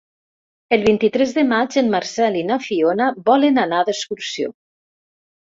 El vint-i-tres de maig en Marcel i na Fiona volen anar d'excursió.